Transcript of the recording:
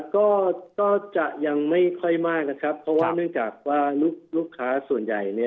ก็ก็จะยังไม่ค่อยมากนะครับเพราะว่าเนื่องจากว่าลูกค้าส่วนใหญ่เนี่ย